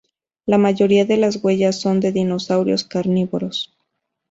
La mayoría de las huellas son de dinosaurios carnívoros.